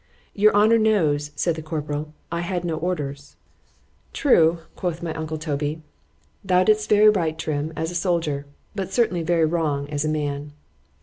——Your honour knows, said the corporal, I had no orders;——True, quoth my uncle Toby,—thou didst very right, Trim, as a soldier,—but certainly very wrong as a man.